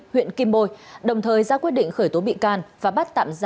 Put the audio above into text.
huyện kim bôi đồng thời ra quyết định khởi tố bị can và bắt tạm